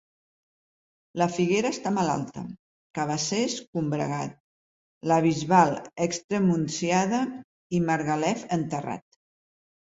La Figuera està malalta; Cabacés, combregat; la Bisbal, extremunciada, i Margalef, enterrat.